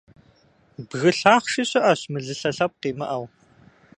Бгы лъахъши щыӀэщ, мылылъэ лъэпкъ имыӀэу.